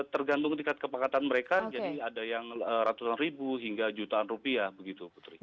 tergantung tingkat kepangkatan mereka jadi ada yang ratusan ribu hingga jutaan rupiah begitu putri